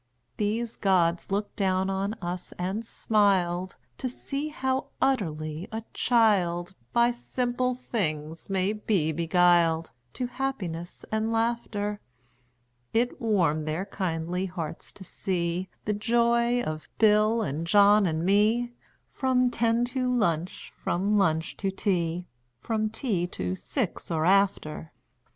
These gods looked down on us and smiled To see how utterly a child By simple things may be beguiled To happiness and laughter; It warmed their kindly hearts to see The joy of Bill and John and me From ten to lunch, from lunch to tea, From tea to six or after.